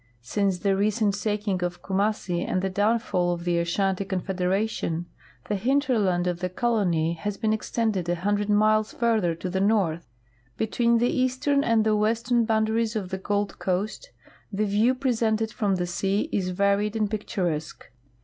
Since the recent taking of Kumassi and the downfall of the Ashanti confederation the hinterland of the colon}^ has been extended 100 miles further to the north. Between the easteiii and the western boundaries of the Gold coast the view presented from the sea is varied and picturesque.